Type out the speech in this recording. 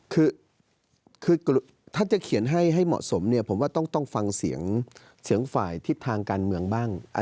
คือถ้าจะเขียนให้เหมาะสมเนี่ยผมว่าต้องฟังเสียงเสียงฝ่ายทิศทางการเมืองบ้าง